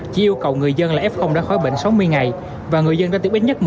chỉ yêu cầu người dân là f đã khói bệnh sáu mươi ngày và người dân đã tiếp ít nhất